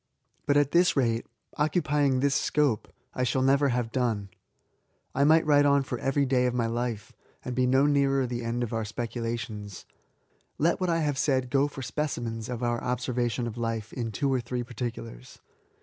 But at this rate» occupying this scope^ I shall never have done, I might write on for every day of my life^ and be no nearer the end of our specu * lations. Let what I have said go for specimens of our observation of life in two or three particulars.